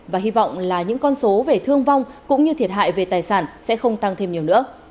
và hy vọng là những con số về thương vong cũng như thiệt hại về tài sản sẽ không tăng thêm nhiều nữa